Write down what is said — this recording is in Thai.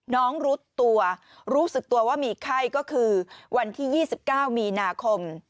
รู้ตัวรู้สึกตัวว่ามีไข้ก็คือวันที่๒๙มีนาคม